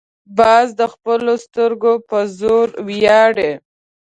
باز د خپلو سترګو پر زور ویاړي